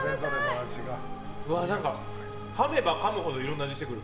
何かかめばかむほどいろんな味してくる。